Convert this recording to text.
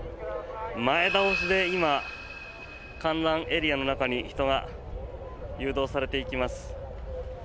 前倒しで今、観覧エリアの中に人が誘導されていきます。